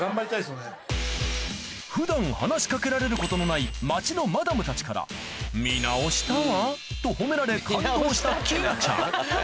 普段話し掛けられることのない街のマダムたちからと褒められ感動した金ちゃん